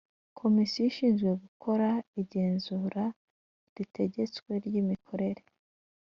Komisiyo ishinzwe gukora igenzura ritegetswe ry’imikorere